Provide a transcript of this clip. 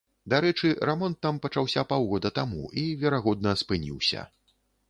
Дарэчы, рамонт там пачаўся паўгода таму і, верагодна, спыніўся.